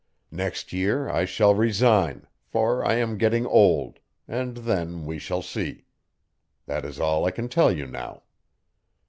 Next year I shall resign, for I am getting old, and then we shall see. That is all I can tell you now."